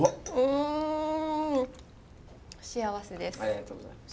ん幸せです。